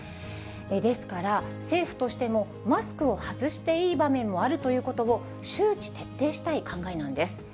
ですから、政府としてもマスクを外していい場面もあるということを、周知徹底したい考えなんです。